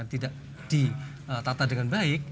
tidak ditata dengan baik